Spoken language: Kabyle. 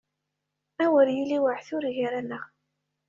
A wer yili waɛtur gar-aneɣ!